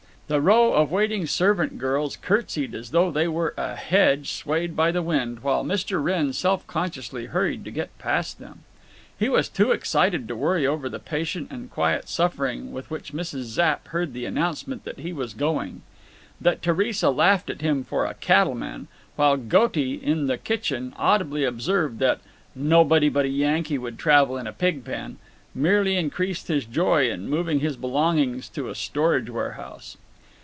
The row of waiting servant girls curtsied as though they were a hedge swayed by the wind, while Mr. Wrenn self consciously hurried to get past them. He was too excited to worry over the patient and quiet suffering with which Mrs. Zapp heard the announcement that he was going. That Theresa laughed at him for a cattleman, while Goaty, in the kitchen, audibly observed that "nobody but a Yankee would travel in a pig pen, "merely increased his joy in moving his belongings to a storage warehouse.